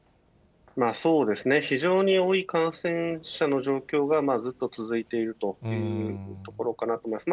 そうですね、非常に多い感染者の状況が、ずっと続いているというところかなと思います。